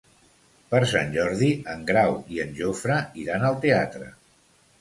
Per Sant Jordi en Grau i en Jofre iran al teatre.